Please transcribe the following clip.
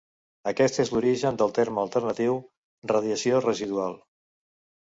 Aquest és l'origen del terme alternatiu "radiació residual".